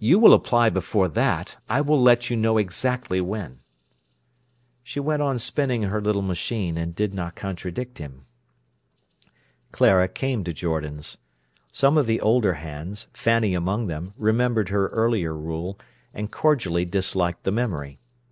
"You will apply before that. I will let you know exactly when." She went on spinning her little machine, and did not contradict him. Clara came to Jordan's. Some of the older hands, Fanny among them, remembered her earlier rule, and cordially disliked the memory.